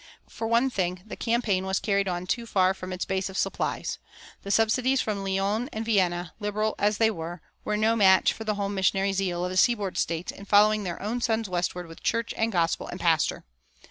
For one thing, the campaign was carried on too far from its base of supplies. The subsidies from Lyons and Vienna, liberal as they were, were no match for the home missionary zeal of the seaboard States in following their own sons westward with church and gospel and pastor.